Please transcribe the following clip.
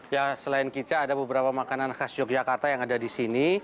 ya selain kica ada beberapa makanan khas yogyakarta yang ada di sini